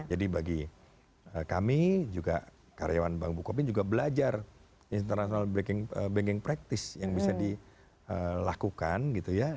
jadi bagi kami juga karyawan bank bukopin juga belajar international banking practice yang bisa dilakukan gitu ya